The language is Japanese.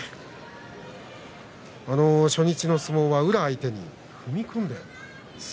初日の相撲は宇良相手に踏み込んで。